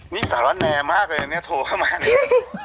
นี่สารแนมากเลยเนี่ยโทรเข้ามาเนี่ย